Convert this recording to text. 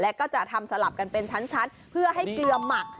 แล้วก็จะทำสลับกันเป็นชั้นเพื่อให้เกลือหมัก